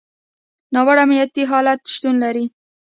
ناوړه امنیتي حالت شتون لري.